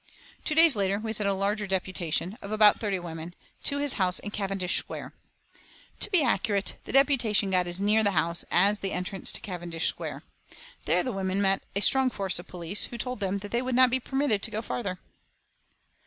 Two days later we sent a larger deputation, of about thirty women, to his house in Cavendish Square. To be accurate, the deputation got as near the house as the entrance to Cavendish Square; there the women met a strong force of police, who told them that they would not be permitted to go farther.